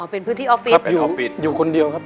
อ๋อเป็นพื้นที่ออฟฟิศอยู่คนเดียวครับ